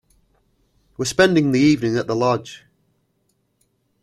We're spending the evening at the lodge.